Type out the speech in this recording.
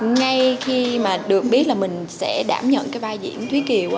ngay khi mà được biết là mình sẽ đảm nhận cái vai diễn thúy kiều